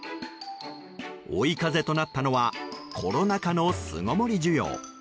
追い風となったのはコロナ禍の巣ごもり需要。